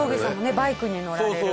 バイクに乗られるから。